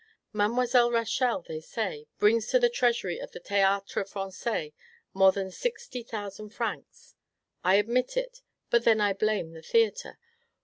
Mademoiselle Rachel, they say, brings to the treasury of the Theatre Francais more than sixty thousand francs. I admit it; but then I blame the theatre.